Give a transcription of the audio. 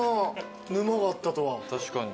確かに。